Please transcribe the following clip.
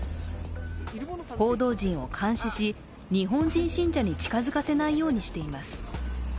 報道陣を監視し、日本人信者に近づかせないようにしています。